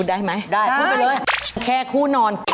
ได้ไหมพูดไปเลยแคร์คู้นอนได้